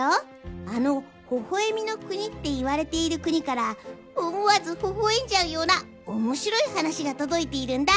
あの「ほほえみの国」っていわれている国から思わずほほえんじゃうようなおもしろい話がとどいているんだ。